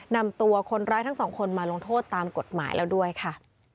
นำตัวคนร้ายทั้งสองคนมาลงโทษตามกฎหมายแล้วด้วยค่ะ